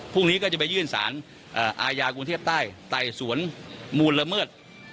พรุ่งนี้ก็จะไปยื่นสารอาญากรุงเทพใต้ไต่สวนมูลละเมิด